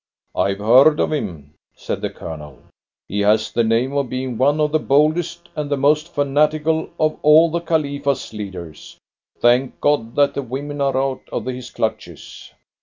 "I've heard of him," said the Colonel. "He has the name of being one of the boldest and the most fanatical of all the Khalifa's leaders. Thank God that the women are out of his clutches."